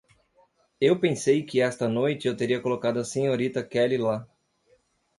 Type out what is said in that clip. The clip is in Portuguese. Eu pensei que esta noite eu teria colocado a Srta. Kelly lá.